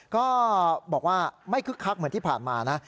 ก็บอกว่าไม่คึกคักเหมือนที่ผ่านมานะ